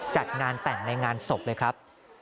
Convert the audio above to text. จัดงานแต่งในงานศพเลยครับ